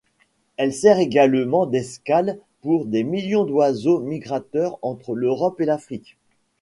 Elle sert également d'escale pour des millions d'oiseaux migrateurs entre l'Europe et l'Afrique.